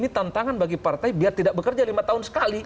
ini tantangan bagi partai biar tidak bekerja lima tahun sekali